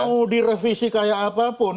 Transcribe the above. mau direvisi kayak apapun